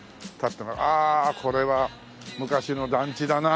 ああこれは昔の団地だな。